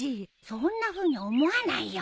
そんなふうに思わないよ。